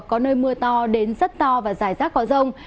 có nơi mưa to đến rất to và giải rác có rông